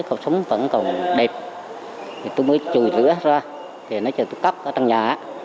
các khẩu sống vẫn còn đẹp tôi mới trùi rửa ra nói chờ tôi cắt ở trong nhà